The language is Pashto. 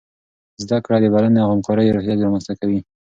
زده کړه د بلنې او همکارۍ روحیه رامنځته کوي.